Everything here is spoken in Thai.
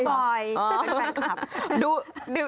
ดูบ่อยเป็นแฟนคลับ